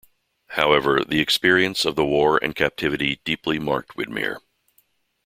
However, the experience of the war and captivity deeply marked Widmer.